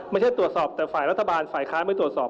ไม่ใช่ตรวจสอบแต่ฝ่ายรัฐบาลฝ่ายค้านไม่ตรวจสอบ